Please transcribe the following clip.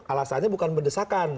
alasannya bukan mendesakan